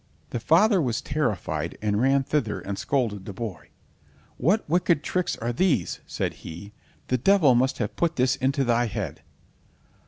The father was terrified, and ran thither and scolded the boy. "What wicked tricks are these?" said he; "the devil must have put this into thy head."